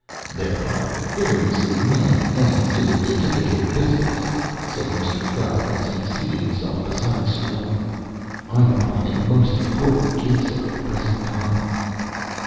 "There are variously many ends to the deteckative business," said Mr. Gubb, as he seated himself beside Syrilla. "I'm upon a most important case at the present time."